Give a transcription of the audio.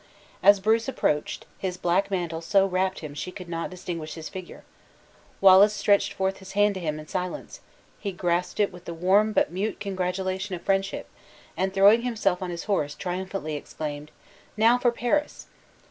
As Bruce approached, his black mantle so wrapped him she could not distinguish his figure. Wallace stretched forth his hand to him in silence; he grasped it with the warm but mute congratulation of friendship, and throwing himself on his horse, triumphantly exclaimed, "Now for Paris!"